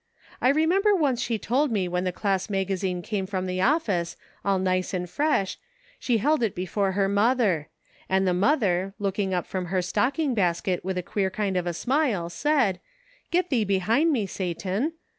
I remember once she told me, when the class magazine came from the office, all nice and fresh, she held it before her mother ; and the mother, looking up from her stocking basket with a queer kind of a smile, said :' Get thee behind me, Satan.'